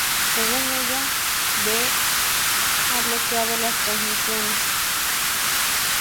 Según ella, Ben ha bloqueado las transmisiones.